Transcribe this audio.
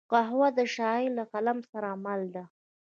قهوه د شاعر له قلم سره مل ده